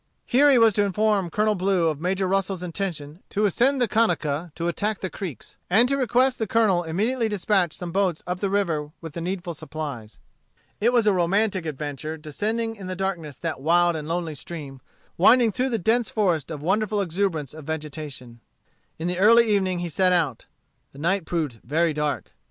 Here he was to inform Colonel Blue of Major Russel's intention to ascend the Conecuh to attack the Creeks, and to request the Colonel immediately to dispatch some boats up the river with the needful supplies. It was a romantic adventure descending in the darkness that wild and lonely stream, winding through the dense forest of wonderful exuberance of vegetation. In the early evening he set out. The night proved very dark.